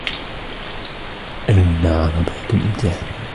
أين عربات الأمتعة ؟